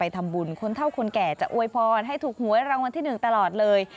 ทำบุญคนเท่าคนแก่จะอวยพรให้ถูกหวยรางวัลที่๑ตลอดเลย